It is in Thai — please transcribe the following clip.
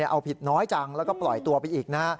เอาผิดน้อยจังแล้วก็ปล่อยตัวไปอีกนะฮะ